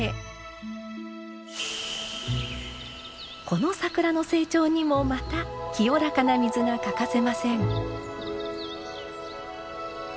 この桜の成長にもまた清らかな水が欠かせません。